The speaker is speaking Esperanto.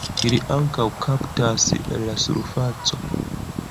Ili ankaŭ kaptas el la surfaco.